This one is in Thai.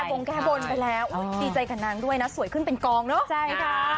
เขาแก้บงแก้บนไปแล้วดีใจกันนางด้วยนะสวยขึ้นเป็นกองเนาะ